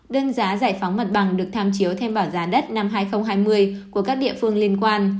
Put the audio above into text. đơn giá giải phóng mặt bằng được tham chiếu thêm bảng giá đất năm hai nghìn hai mươi của các địa phương liên quan